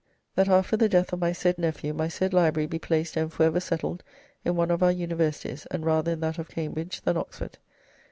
That after the death of my said nephew, my said library be placed and for ever settled in one of our universities, and rather in that of Cambridge than Oxford.